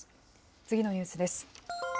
次のニュースです。